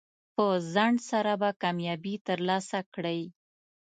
په ځنډ سره به کامیابي ترلاسه کړئ.